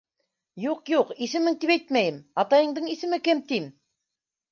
— Юҡ, юҡ, исемең тип әйтмәйем, атайыңдың исеме кем, тим?